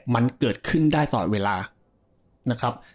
มันเกิดขึ้นได้ตลอดเวลานะครับ